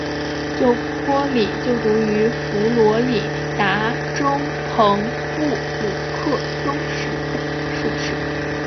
拿坡里就读于佛罗里达州朋布鲁克松树市。